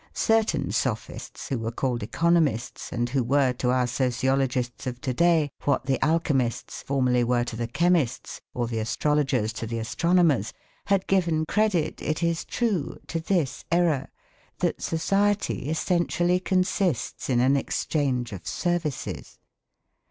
Certain sophists, who were called economists, and who were to our sociologists of to day what the alchemists formerly were to the chemists or the astrologers to the astronomers, had given credit, it is true, to this error that society essentially consists in an exchange of services.